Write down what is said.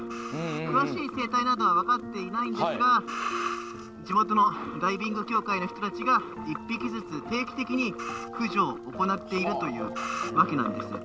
詳しい生態などは分かっていないんですが地元のダイビング協会の人たちが１匹ずつ定期的に駆除を行っているというわけなんです。